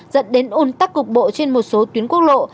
dẫn đến ủn tắc cục bộ trên một số tuyến quốc lộ